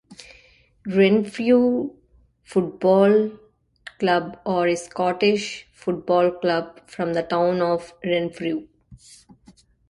Renfrew Football Club are a Scottish football club from the town of Renfrew.